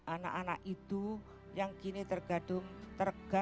anak anak itu yang kini tergabung